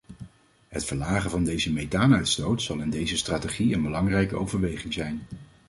Het verlagen van de methaanuitstoot zal in deze strategie een belangrijke overweging zijn.